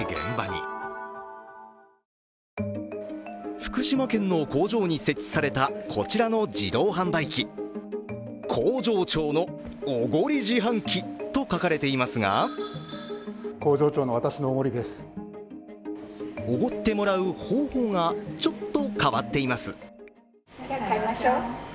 福島県の工場に設置されたこちらの自動販売機、「工場長のおごり自販機」と書かれていますがおごってもらう方法が、ちょっと変わっています。